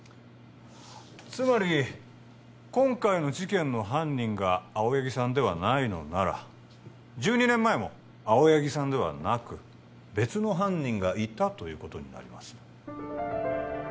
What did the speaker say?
つまり今回の事件の犯人が青柳さんではないのなら１２年前も青柳さんではなく別の犯人がいたということになります